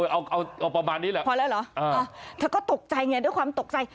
เอาเอาประมาณนี้แหละพอแล้วเหรอเธอก็ตกใจไงด้วยความตกใจ